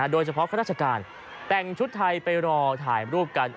ข้าราชการแต่งชุดไทยไปรอถ่ายรูปกัน